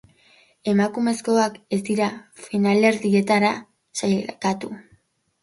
Emakumezkoak ez dira finalerdietara sailkatu.